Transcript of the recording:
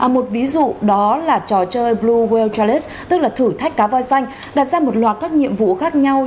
một ví dụ đó là trò chơi blue well challette tức là thử thách cá voi xanh đặt ra một loạt các nhiệm vụ khác nhau